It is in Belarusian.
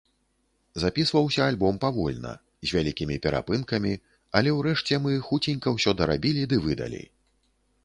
Запісваўся альбом павольна, з вялікімі перапынкамі, але ўрэшце мы хуценька ўсё дарабілі ды выдалі.